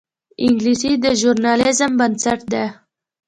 انګلیسي د ژورنالیزم بنسټ ده